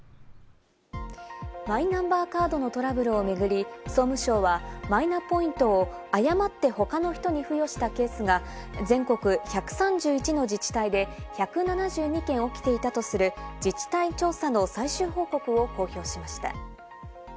マイナンバーカードのトラブルを巡り、総務省は、マイナポイントを誤って他の人に付与したケースが全国１３１の自治体で１７２件起きていたとする自治体調査の最終報告を公表しました。